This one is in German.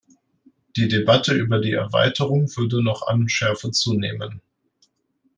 Die Debatte über die Erweiterung würde noch an Schärfe zunehmen.